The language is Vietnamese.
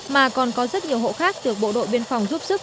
mà còn có rất nhiều hộ khác được bộ đội biên phòng giúp sức